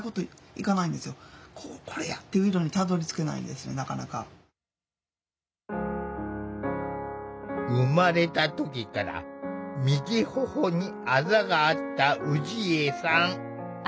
とうとう顔に生まれた時から右頬にあざがあった氏家さん。